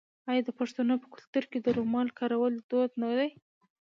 آیا د پښتنو په کلتور کې د رومال کارول دود نه دی؟